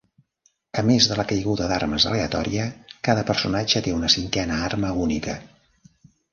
A més de la caiguda d'armes aleatòria, cada personatge té una cinquena arma única.